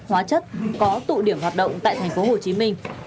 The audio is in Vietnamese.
hóa chất có tụ điểm hoạt động tại thành phố hồ chí minh